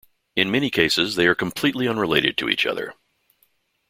In many cases, they are completely unrelated to each other.